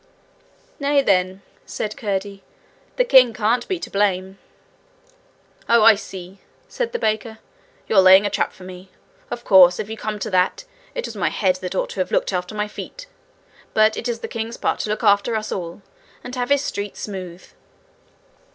'Nay, then,' said Curdie, 'the king can't be to blame.' 'Oh, I see!' said the baker. 'You're laying a trap for me. Of course, if you come to that, it was my head that ought to have looked after my feet. But it is the king's part to look after us all, and have his streets smooth.'